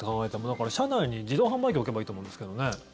だから車内に自動販売機置けばいいって思うんですけど。